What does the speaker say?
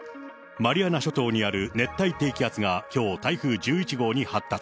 マリアナ諸島にある熱帯低気圧がきょう、台風１１号に発達。